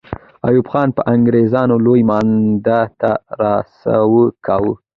ایوب خان به انګریزان لوی مانده ته را سوه کاوه.